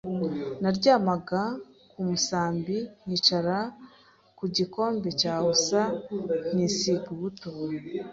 naryamaga ku musambi, nkicara ku gikombe cya USA nkisiga ubuto,